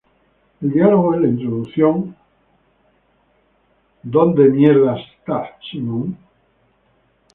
El diálogo en la introducción "Where the hell are you, Simon?